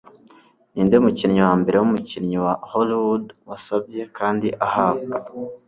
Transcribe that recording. Ninde mukinnyi wa mbere wumukinyi wa Hollywood wasabye kandi ahabwa